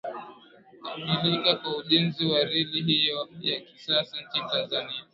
Kukamilika kwa ujenzi wa reli hiyo ya kisasa nchini Tanzania